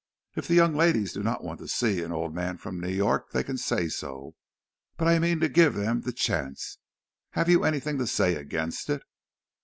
If the young ladies do not want to see an old man from New York they can say so, but I mean to give them the chance. Have you anything to say against it?"